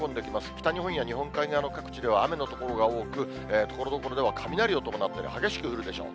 北日本や日本海側の各地では雨の所が多く、ところどころでは雷を伴ったり、激しく降るでしょう。